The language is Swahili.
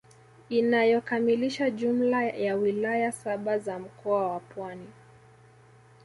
Inayokamilisha jumla ya wilaya saba za mkoa wa Pwani